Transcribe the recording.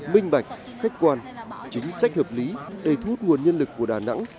minh bạch khách quan chính sách hợp lý để thu hút nguồn nhân lực của đà nẵng